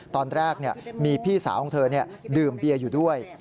ตอนแรกมีพี่สาวของเธอดื่มเบียร์อยู่ด้วย